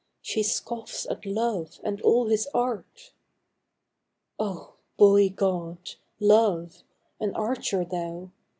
She scoffs at Love and all his art ! Oh, boy god, Love ! An archer thou